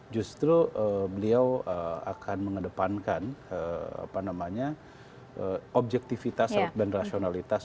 justru beliau akan mengedepankan objektivitas dan rasionalitas